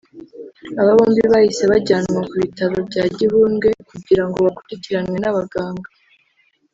Aba bombi bahise bajyanwa ku bitaro bya Gihundwe kugira ngo bakurikiranwe n’abaganga